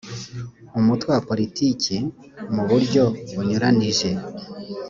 umutwe wa politiki mu buryo bunyuranije